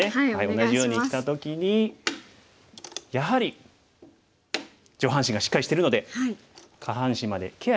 同じようにきた時にやはり上半身がしっかりしてるので下半身までケアができますよね。